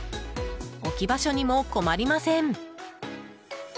置き場所にも困りません。